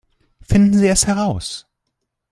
Finden Sie es heraus